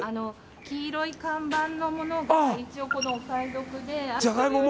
黄色い看板のものが一応お買い得で。